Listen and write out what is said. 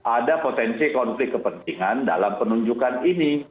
ada potensi konflik kepentingan dalam penunjukan ini